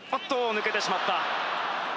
抜けてしまった。